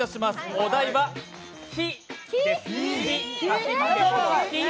お題は「き」です。